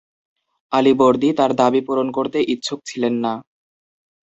আলীবর্দী তার দাবি পূরণ করতে ইচ্ছুক ছিলেন না।